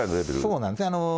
そうなんですね。